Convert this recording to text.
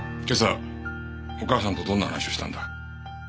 今朝お母さんとどんな話をしたんだ？